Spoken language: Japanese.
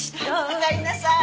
おかえりなさい。